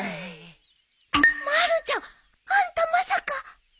まるちゃんあんたまさか？